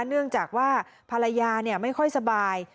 เนื่องจากว่าภรรยาไม่ค่อยสบาย